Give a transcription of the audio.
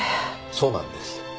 そうなんです。